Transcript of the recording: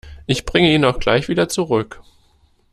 Ich bringe ihn auch gleich wieder zurück.